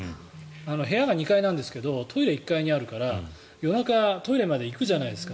部屋が２階なんですがトイレが１階にあるから夜中、トイレまで行くじゃないですか。